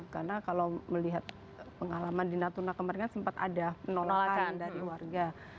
karena kalau melihat pengalaman di natuna kemarin sempat ada penolakan dari warga